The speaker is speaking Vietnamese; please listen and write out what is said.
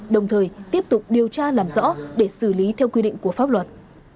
đồng thời tiếp tục điều tra làm rõ để xử lý theo quy định của pháp luật